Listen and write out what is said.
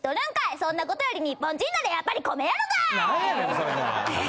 そんなことより日本人ならやっぱり米やろがい！